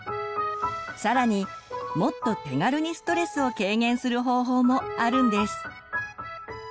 さらにもっと手軽にストレスを軽減する方法もあるんです。